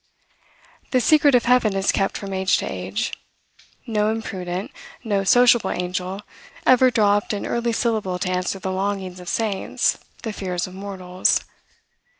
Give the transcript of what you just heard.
The secret of heaven is kept from age to age. No imprudent, no sociable angel ever dropt an early syllable to answer the longings of saints, the fears of mortals.